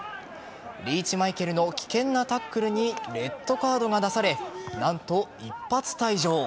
リーチ・マイケルの危険なタックルにレッドカードが出され何と、一発退場。